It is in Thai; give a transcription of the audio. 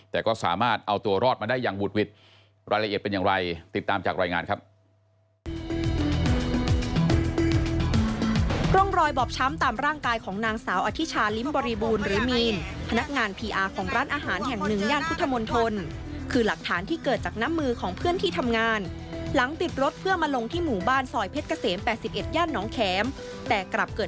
แต่ก็สามารถเอาตัวรอดมาได้อย่างบุดหวิดรายละเอียดเป็นอย่างไรติดตามจากรายงานครับ